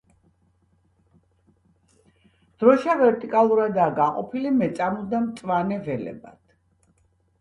დროშა ვერტიკალურადაა გაყოფილი მეწამულ და მწვანე ველებად.